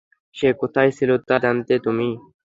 সে কোথায় ছিলো তা জানতে তুমি?